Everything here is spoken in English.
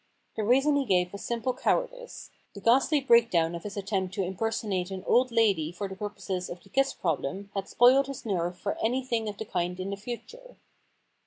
The reason he gave was simple cowardice ; the ghastly breakdown of his attempt to impersonate an old lady for the purposes of the Kiss Problem had spoiled his nerve for anything of the kind in the future.